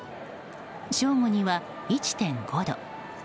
正午には、１．５度。